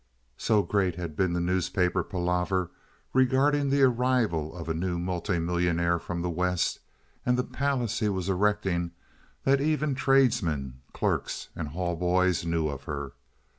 So great had been the newspaper palaver regarding the arrival of a new multimillionaire from the West and the palace he was erecting that even tradesmen, clerks, and hall boys knew of her.